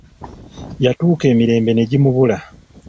Yatuuka emirembe ne gimubula.